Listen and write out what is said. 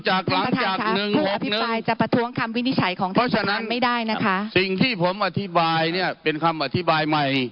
เพราะฉะนั้นสิ่งที่ผมอธิบายเนี่ยเป็นคำอธิบายใหม่